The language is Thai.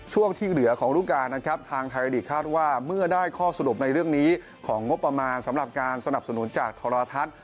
ช่วงที่เหลือของรูปการณ์นะครับทางไทยลีกคาดว่าเมื่อได้ข้อสรุปในเรื่องนี้ของงบประมาณสำหรับการสนับสนุนจากโทรทัศน์